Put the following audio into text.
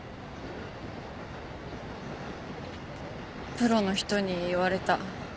プロの人に言われた。